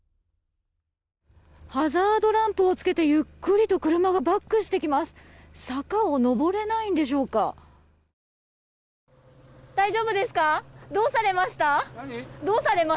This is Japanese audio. ハザードランプをつけてゆっくりと車がバックしてきます。